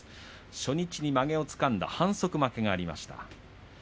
初日にまげをつかんで反則負けがありました。